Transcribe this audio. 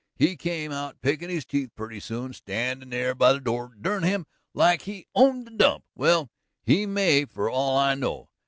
He come out pickin' his teeth purty soon, standin' there by the door, dern him, like he owned the dump. Well, he may, for all I know.